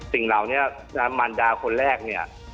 สิ่งเหล่านี้มันดาคนแรกเนี่ย